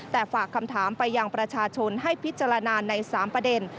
แต่ฝากคำถามไปยังประชาชนให้พิจารณาใน๓ประเด็น